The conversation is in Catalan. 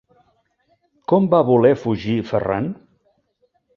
Com va voler fugir Ferran?